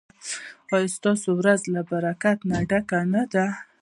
ایا ستاسو ورځ له برکته ډکه نه ده؟